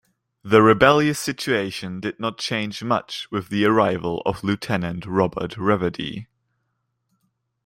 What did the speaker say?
The rebellious situation did not change much with the arrival of Lieutenant Robert Reverdy.